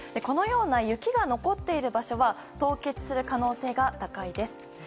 このような雪が残っている場所は凍結する可能性が高いです。